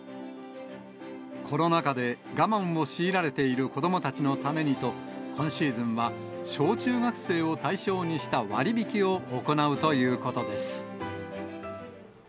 コロナ禍で我慢を強いられている子どもたちのためにと、今シーズンは小中学生を対象にした割引を行うということです。